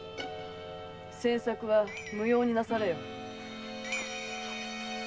詮索は無用になされよ。